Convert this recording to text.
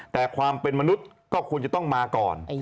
แต่ความเป็นมนุษย์ก็ควรจะต้องมาก่อน